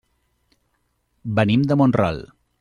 Venim de Mont-ral.